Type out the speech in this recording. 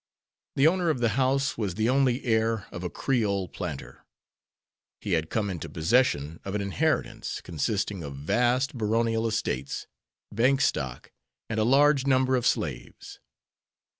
The owner of the house was the only heir of a Creole planter. He had come into possession of an inheritance consisting of vast baronial estates, bank stock, and a large number of slaves.